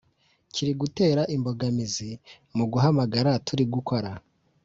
Kiri gutera imbogamizi muguhamagara turi gukora